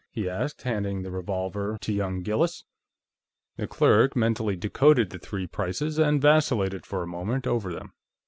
he asked, handing the revolver to young Gillis. The clerk mentally decoded the three prices and vacillated for a moment over them.